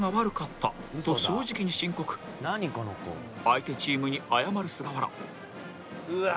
相手チームに謝る菅原